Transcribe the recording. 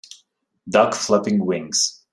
Duck flapping wings.